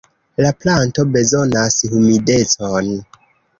La planto bezonas humidecon.